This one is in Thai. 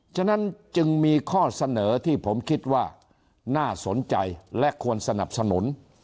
ฉะนั้นจึงมีข้อเสนอที่ผมคิดว่าน่าสนใจและควรสนับสนุน